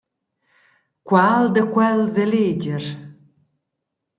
Qual da quels eleger?